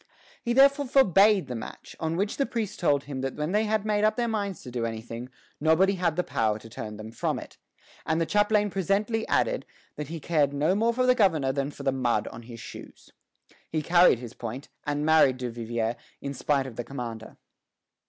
He therefore forbade the match; on which the priests told him that when they had made up their minds to do anything, nobody had power to turn them from it; and the chaplain presently added that he cared no more for the governor than for the mud on his shoes. He carried his point, and married Duvivier in spite of the commander.